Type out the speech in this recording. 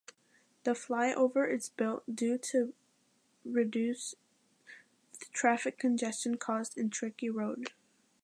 The flyover is built due to reduce the traffic congestion caused in Trichy road.